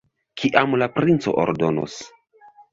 Kiam la princo ordonos.